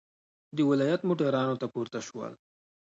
د ولایت موټرانو ته پورته شولو.